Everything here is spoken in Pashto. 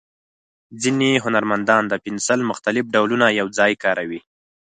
ځینې هنرمندان د پنسل مختلف ډولونه یو ځای کاروي.